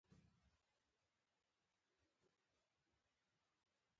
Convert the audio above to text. کله چې د ايمان او مينې احساسات سره يو ځای شي.